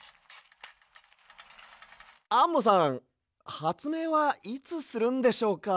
アンモさんはつめいはいつするんでしょうか？